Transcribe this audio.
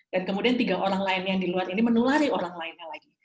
dan kemudian tiga orang lainnya di luar ini menulari orang lainnya lagi